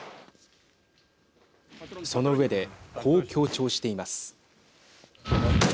その上で、こう強調しています。